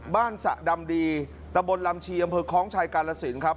สะดำดีตะบนลำชีอำเภอคล้องชายกาลสินครับ